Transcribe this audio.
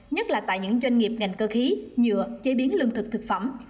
nhất là tại những doanh nghiệp ngành cơ khí nhựa chế biến lương thực thực phẩm